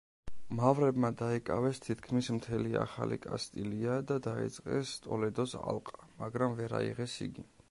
მავრებმა დაიკავეს თითქმის მთელი ახალი კასტილია და დაიწყეს ტოლედოს ალყა, მაგრამ ვერ აიღეს იგი.